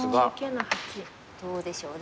どうでしょう。